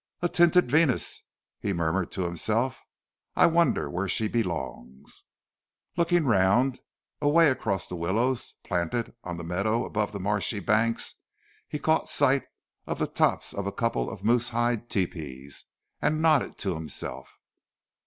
"A tinted Venus!" he murmured to himself. "I wonder where she belongs." Looking round, away across the willows, planted on the meadow above the marshy banks, he caught sight of the tops of a couple of moose hide tepees, and nodded to himself.